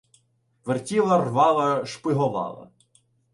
Вертіла, рвала, шпиговала